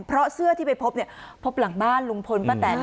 เพราะเสื้อที่ไปพบเนี่ยพบหลังบ้านลุงพลป้าแตน